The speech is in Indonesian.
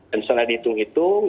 dan setelah dihitung hitung